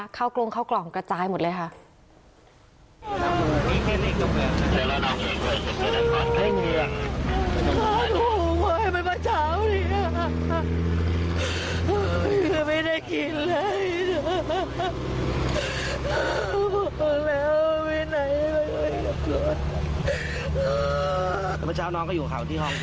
กรงเข้ากล่องกระจายหมดเลยค่ะ